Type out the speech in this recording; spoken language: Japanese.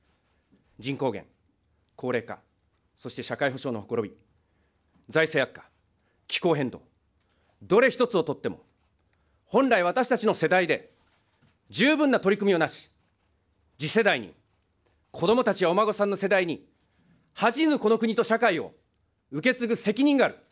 人口減、高齢化、そして社会保障のほころび、財政悪化、気候変動、どれ一つをとっても、本来、私たちの世代で十分な取り組みをなし、次世代に、子どもたちやお孫さんの世代に恥じぬこの国と社会を受け継ぐ責任がある。